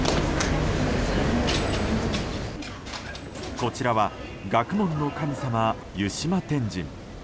こちらは学問の神様、湯島天神。